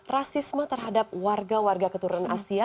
rasisme terhadap warga warga keturunan asia